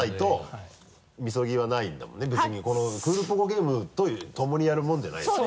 別にこの「クールポコゲーム」とともにやるものじゃないでしょ？